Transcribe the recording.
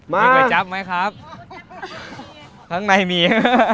มีก๋วยจับไหมครับข้างในมี